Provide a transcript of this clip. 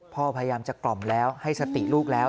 พยายามจะกล่อมแล้วให้สติลูกแล้ว